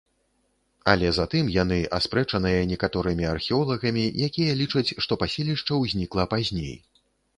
Але затым яны аспрэчаныя некаторымі археолагамі, якія лічаць, што паселішча ўзнікла пазней.